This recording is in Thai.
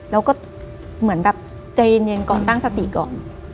แล้วก็เหมือนแบบใจเย็นก่อนตั้งสติก่อน